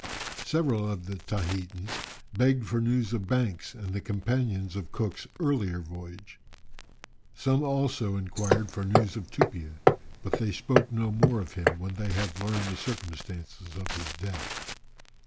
Several of the Tahitans begged for news of Banks and the companions of Cook's earlier voyage. Some also inquired for news of Tupia, but they spoke no more of him when they had learned the circumstances of his death.